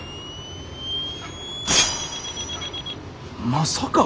まさか。